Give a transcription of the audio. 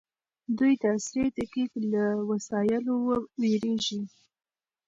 دوی د عصري تحقيق له وسایلو وېرېږي.